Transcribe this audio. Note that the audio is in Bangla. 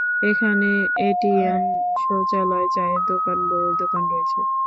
এখানে এটিএম, শৌচালয়, চায়ের দোকান, বইয়ের দোকান রয়েছে।